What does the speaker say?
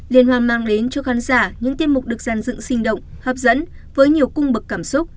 liên hoan mang đến cho khán giả những tiết mục được dàn dựng sinh động hấp dẫn với nhiều cung bậc cảm xúc